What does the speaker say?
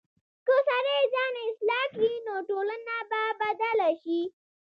که سړی ځان اصلاح کړي، نو ټولنه به بدله شي.